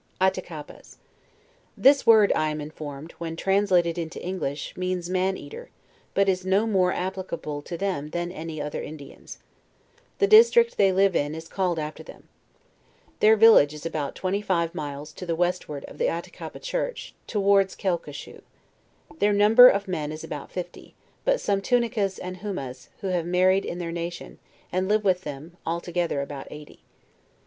ATTAKAPAS This word, I am informed, when transla ted into English, means Man eater, but is no more applicable to them than any other Indians. The district they live in is called after them. Their village is about twenty five miles to the westward of the Attakappa church, towards Quelque shoe. Their number of men is about fifty, but some Tunicas and Humas, who have married in their nation, and live with 155 JOURNAL OF them altogether about eighty.